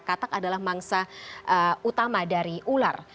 katak adalah mangsa utama dari ular